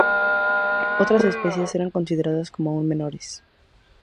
Otras "especies" eran consideradas como aún menores.